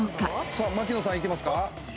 槙野さんいきますか？